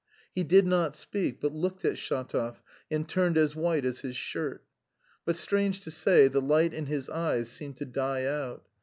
He did not speak, but looked at Shatov, and turned as white as his shirt. But, strange to say, the light in his eyes seemed to die out.